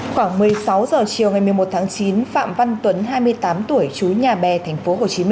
khoảng một mươi sáu h chiều ngày một mươi một tháng chín phạm văn tuấn hai mươi tám tuổi chú nhà bè tp hcm